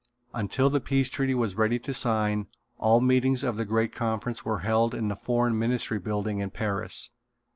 Until the Peace Treaty was ready to sign all meetings of the great conference were held in the Foreign Ministry building in Paris.